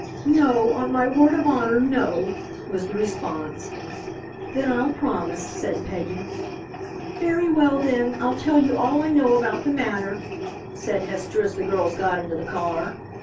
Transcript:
"No. On my word of honor, no," was the response. "Then I'll promise," said Peggy. "Very well, then, I'll tell you all I know about the matter," said Hester, as the girls got into the car.